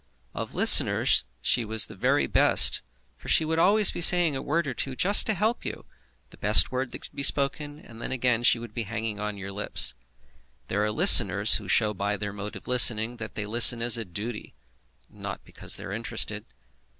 Of listeners she was the very best, for she would always be saying a word or two, just to help you, the best word that could be spoken, and then again she would be hanging on your lips. There are listeners who show by their mode of listening that they listen as a duty, not because they are interested.